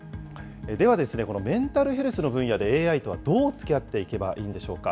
ではですね、このメンタルヘルスの分野でＡＩとはどうつきあっていけばいいんでしょうか。